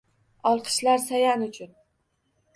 Olqishlar Sayan uchun!